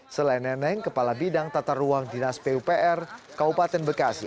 selain neneng kepala bidang tata ruang dinas pupr kabupaten bekasi